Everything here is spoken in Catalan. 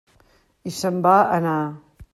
I se'n va anar.